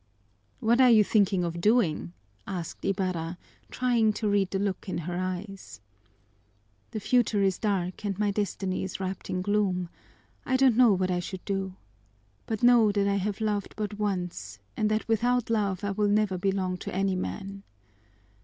"What are you thinking of doing?" asked Ibarra, trying to read the look in her eyes. "The future is dark and my destiny is wrapped in gloom! I don't know what I should do. But know, that I have loved but once and that without love I will never belong to any man.